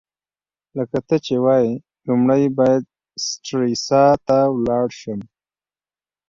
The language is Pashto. لکه ته چي وايې، لومړی باید سټریسا ته ولاړ شم.